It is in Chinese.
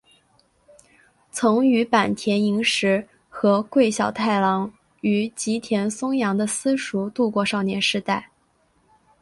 曾与坂田银时和桂小太郎于吉田松阳的私塾度过少年时代。